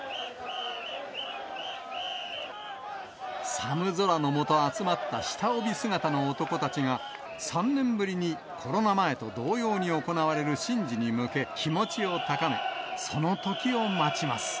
寒空の下集まった下帯姿の男たちが、３年ぶりにコロナ前と同様に行われる神事に向け、気持ちを高め、その時を待ちます。